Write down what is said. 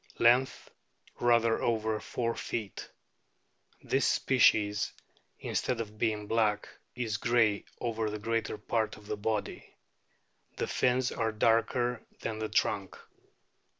Length, rather over four feet. This species, instead of being black, is grey over the greater part of the body ; the fins are darker than the trunk.